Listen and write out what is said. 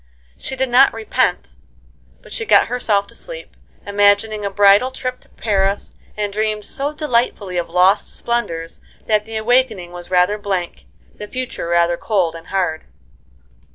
She did not repent, but she got herself to sleep, imagining a bridal trip to Paris, and dreamed so delightfully of lost splendors that the awakening was rather blank, the future rather cold and hard.